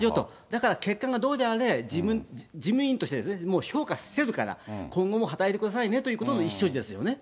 だから、結果がどうであれ、事務員としてもう評価してるから、今後も働いてくださいねということの意思表示ですよね。